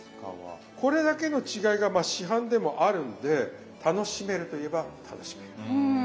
これだけの違いがまあ市販でもあるんで楽しめるといえば楽しめる。